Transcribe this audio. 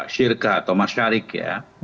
syirka atau masyarik ya